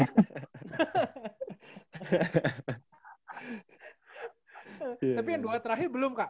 tapi yang dua terakhir belum kak